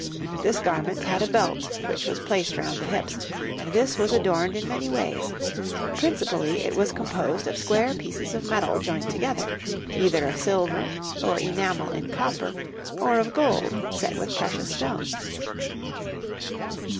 This garment had a belt, which was placed round the hips; and this was adorned in many ways: principally it was composed of square pieces of metal joined together, either of silver, or enamel in copper, or of gold set with precious stones.